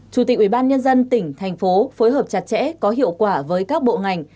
chủ tịch ubnd tỉnh thành phố phối hợp chặt chẽ có hiệu quả với các bộ ngành